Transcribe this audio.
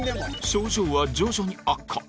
症状は徐々に悪化。